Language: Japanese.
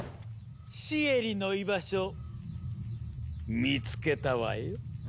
シエリの居場所見つけたわよ。